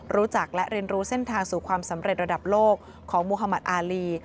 รู้จักและเรียนรู้เส้นทางสู่ความสำเร็จระดับโลกของมุธมัติอารี